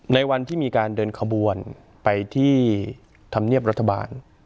ในวันที่มีการเดินขบวนไปที่ธรรมเนียบรัฐบาล